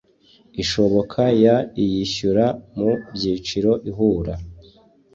ishoboka y iyishyura mu byiciro ihura